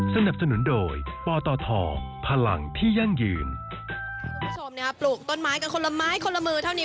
คุณผู้ชมปลูกต้นไม้เครื่องคนละไม้คนละมือเท่านี้